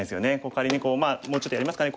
仮にこうもうちょっとやりますかね。